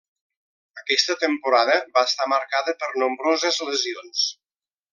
Aquesta temporada va estar marcada per nombroses lesions.